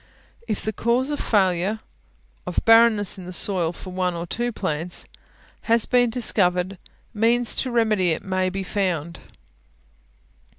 If the cause of failure of barrenness in the soil for one or two plants has been discovered, means to remedy it may readily be found.